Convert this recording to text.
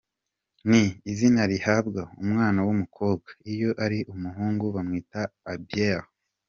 Ni izina rihabwa umwana w’umukobwa, iyo ari umuhungu bamwita Abiel.